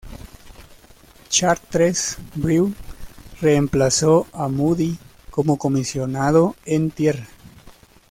Chartres Brew reemplazó a Moody como comisionado en tierra.